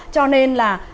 cho nên là